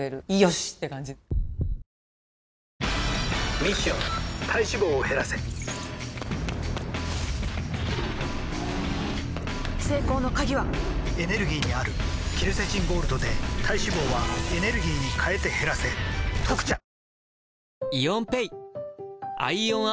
ミッション体脂肪を減らせ成功の鍵はエネルギーにあるケルセチンゴールドで体脂肪はエネルギーに変えて減らせ「特茶」さぁ。